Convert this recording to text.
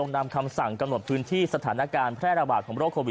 นำคำสั่งกำหนดพื้นที่สถานการณ์แพร่ระบาดของโรคโควิด